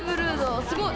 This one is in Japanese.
すごい。